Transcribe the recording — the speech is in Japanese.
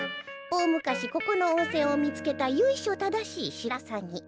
大昔ここの温泉を見つけた由緒正しい白サギ。